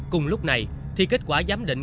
cùng lúc này thì kết quả giám định